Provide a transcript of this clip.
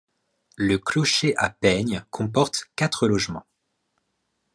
Le clocher à peigne comporte quatre logements.